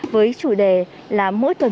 với chủ đề là